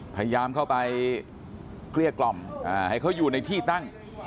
พยายามเข้าไปเกลี้ยกล่อมให้เขาอยู่ในที่ตั้ง